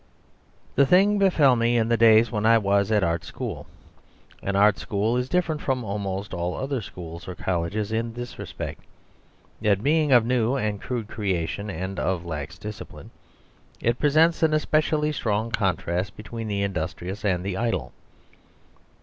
The thing befell me in the days when I was at an art school. An art school is different from almost all other schools or colleges in this respect: that, being of new and crude creation and of lax discipline, it presents a specially strong contrast between the industrious and the idle.